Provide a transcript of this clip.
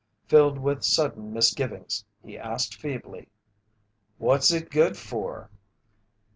Filled with sudden misgivings, he asked feebly: "What's it good for?"